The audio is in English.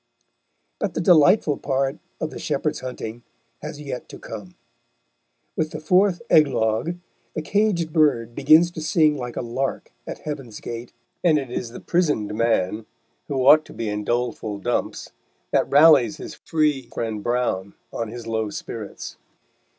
But the delightful part of The Shepherd's Hunting has yet to come. With the fourth "eglogue" the caged bird begins to sing like a lark at Heaven's gate, and it is the prisoned man who ought to be in doleful dumps that rallies his free friend Browne on his low spirits.